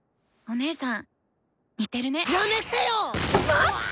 待って！